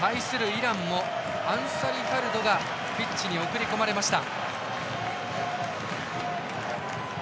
イランもアンサリファルドがピッチに送り込まれました。